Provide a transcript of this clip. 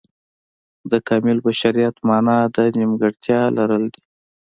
د کامل بشریت معنا د نیمګړتیاو لرل دي.